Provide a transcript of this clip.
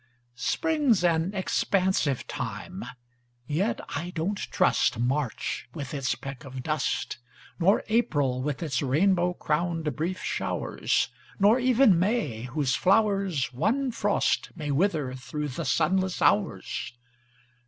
Spring's an expansive time: yet I don't trust March with its peck of dust, Nor April with its rainbow crowned brief showers, Nor even May, whose flowers One frost may wither through the sunless hours.